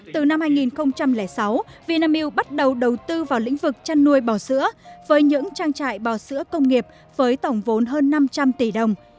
từ năm hai nghìn sáu vinamilk bắt đầu đầu tư vào lĩnh vực chăn nuôi bò sữa với những trang trại bò sữa công nghiệp với tổng vốn hơn năm trăm linh tỷ đồng